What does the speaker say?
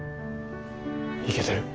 いけてる。